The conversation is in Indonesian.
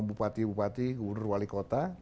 bupati bupati gubernur wali kota